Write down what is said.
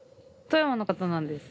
富山の方なんです。